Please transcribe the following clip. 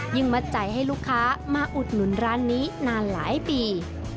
มัดใจให้ลูกค้ามาอุดหนุนร้านนี้นานหลายปี